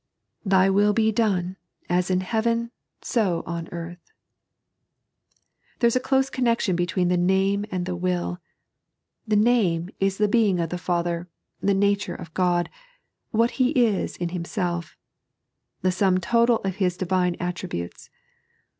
" Tht Wuj. be Done, as m Heavek, so oh Eabth." There is a close connection between the ^ame and the Will. The Jfame is the Being of the Father, the nature of Ood, what He is in Himself ; the sum total of His Divine attri butes.